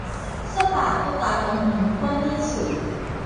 雪霸國家公園管理處